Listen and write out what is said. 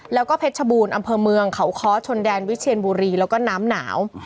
แล้วก็เพชรชบูรณ์อำเภอเมืองเขาค้อชนแดนวิเชียนบุรีแล้วก็น้ำหนาว